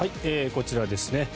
こちらですね。